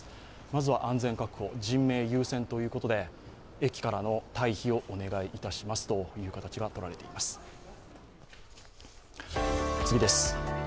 まずは安全確保、人命優先ということで駅からの退避をお願いいたしますという形が取られています。